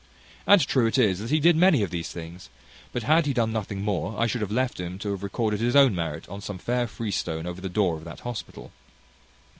And true it is that he did many of these things; but had he done nothing more I should have left him to have recorded his own merit on some fair freestone over the door of that hospital.